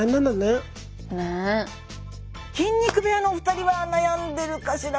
筋肉部屋のお二人は悩んでるかしら。